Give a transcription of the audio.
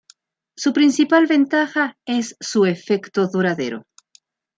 Su principal ventaja es su efecto duradero.